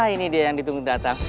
ini dia yang ditunggu datang